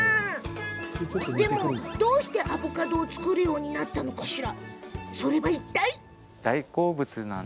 でも、どうしてアボカドを作るようになったのかしら。